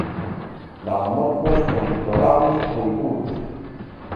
Lagomorfos "Oryctolagus cuniculus".